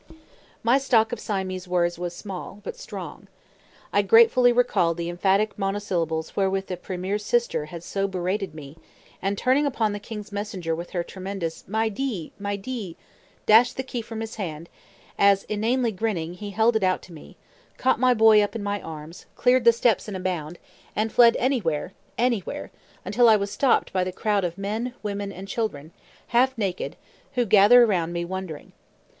My stock of Siamese words was small, but strong. I gratefully recalled the emphatic monosyllables wherewith the premier's sister had so berated me; and turning upon the king's messenger with her tremendous my di! my di! dashed the key from his hand, as, inanely grinning, he held it out to me, caught my boy up in my arms, cleared the steps in a bound, and fled anywhere, anywhere, until I was stopped by the crowd of men, women, and children, half naked, who gathered around me, wondering.